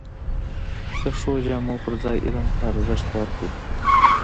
د ښو جامو پر ځای علم ته ارزښت ورکړئ!